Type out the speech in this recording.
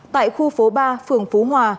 tại khu phố ba phường phú hòa